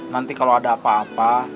nanti kalau ada apa apa